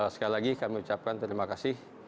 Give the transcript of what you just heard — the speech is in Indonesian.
sekali lagi kami ucapkan terima kasih